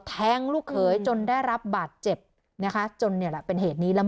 แทงลูกเขยจนได้รับบาดเจ็บนะคะจนเนี่ยแหละเป็นเหตุนี้แล้ว